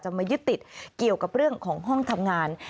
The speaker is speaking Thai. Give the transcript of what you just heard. มายึดติดเกี่ยวกับเรื่องของห้องทำงาน